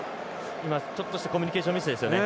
ちょっとしたコミュニケーションミスですよね。